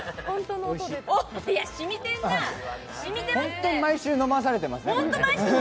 本当に毎週、飲まされてますね。